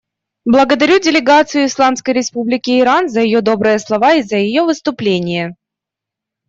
Благодарю делегацию Исламской Республики Иран за ее добрые слова и за ее выступление.